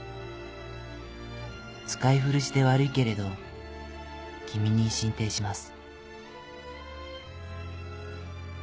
使い古しで悪いけれど君に進呈します」